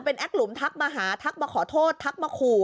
แอคหลุมทักมาหาทักมาขอโทษทักมาขู่